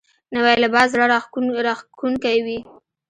نوی لباس زړه راښکونکی وي